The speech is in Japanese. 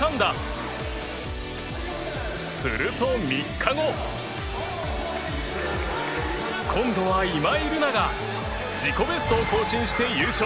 すると３日後今度は今井月が自己ベストを更新して優勝